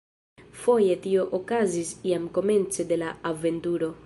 Foje tio okazis jam komence de la aventuro.